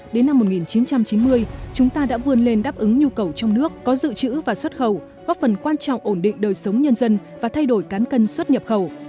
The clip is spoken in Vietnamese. đến năm một nghìn chín trăm chín mươi chúng ta đã vươn lên đáp ứng nhu cầu trong nước có dự trữ và xuất khẩu góp phần quan trọng ổn định đời sống nhân dân và thay đổi cán cân xuất nhập khẩu